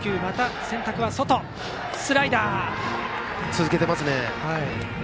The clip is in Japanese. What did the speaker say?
続けていますね。